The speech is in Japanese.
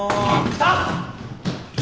来た！